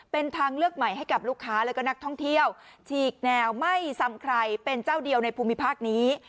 เป็นทางเลือกใหม่ให้กับลูกค้าแล้วก็นักท่องเที่ยวฉีกแนวไม่ซ้ำใครเป็นเจ้าเดียวในภูมิภาคนี้